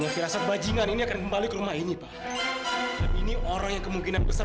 dulu mah kerasa kerasa bajingan ini akan kembali ke rumah ini pak ini orang yang kemungkinan besar